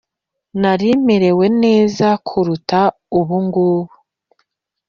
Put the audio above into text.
nari merewe neza kuruta ubu ngubu.»